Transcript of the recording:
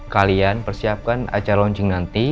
kalian persiapkan acara launching nanti